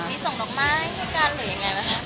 มีส่งดอกไม้ให้กันหรือยังไงไหมคะ